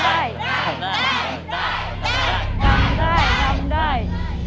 ได้ครับได้